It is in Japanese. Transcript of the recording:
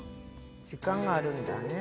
時間があるんだね。